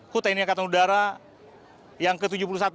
ku tni angkatan udara yang ke tujuh puluh satu